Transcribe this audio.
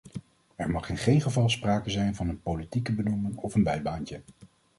Er mag in geen geval sprake zijn van een politieke benoeming of een bijbaantje.